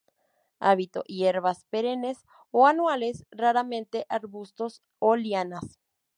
Hábito: Hierbas, perennes o anuales, raramente arbustos o lianas.